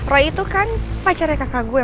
roy itu kan pacarnya kakak gue